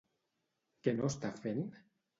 Què no estan fent?